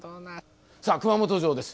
さあ熊本城です。